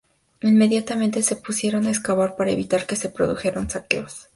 Inmediatamente se pusieron a excavar para evitar que se produjeran saqueos.